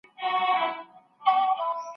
کاینات د خدای د قدرت هنداره ده.